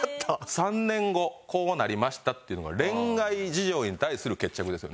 ３年後こうなりましたっていうのが恋愛事情に対する決着ですよね。